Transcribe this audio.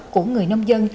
của người nông dân